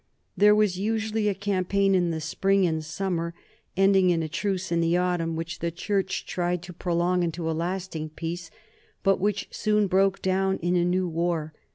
There was usually a campaign in the spring and summer, ending in a truce in the autumn which the church tried NORMANDY AND FRANCE 133 to prolong into a lasting peace but which soon broke down in a new war.